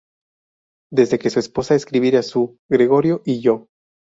Desde que su esposa escribiera su "Gregorio y yo.